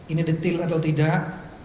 ini detail atau tidak